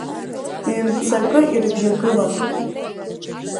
Ҩ-мцакы ирыбжьагылан.